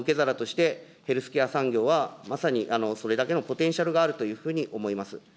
その受け皿として、ヘルスケア産業はまさに、それだけのポテンシャルがあるというふうに思います。